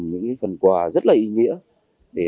những tình cảm ấy